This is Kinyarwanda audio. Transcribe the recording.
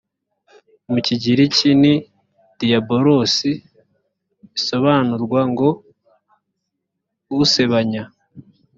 mu kigiriki ni diabolos bisobanurwa ngo usebanya